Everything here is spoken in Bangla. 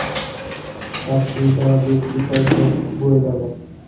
তাঁর শিরদাঁড়া দিয়ে শীতল স্রোত বয়ে গেল।